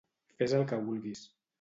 Fes el que vulguis.